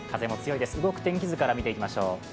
動く天気図から見ていきましょう。